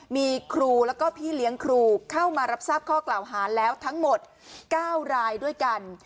มีครูแล้วก็พี่เลี้ยงครูเข้ามารับทราบข้อกล่าวหาแล้วทั้งหมด๙รายด้วยกัน